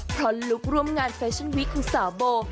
เพราะลุคร่วมงานแฟชั่นวิกของสาวโบ